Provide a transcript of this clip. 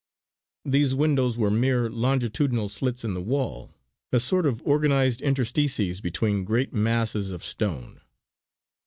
These windows were mere longitudinal slits in the wall, a sort of organised interstices between great masses of stone.